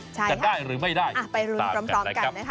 จะได้หรือไม่ได้ตามกันนะครับ